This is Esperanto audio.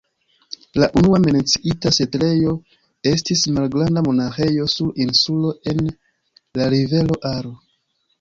La unua menciita setlejo estis malgranda monaĥejo sur insulo en la rivero Aro.